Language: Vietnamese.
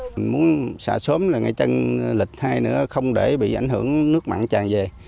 mình muốn xả sớm là ngày trăng lịch hai nữa không để bị ảnh hưởng nước mặn tràn về